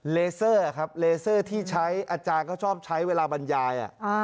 เลเซอร์ครับเลเซอร์ที่ใช้อาจารย์ก็ชอบใช้เวลาบรรยาย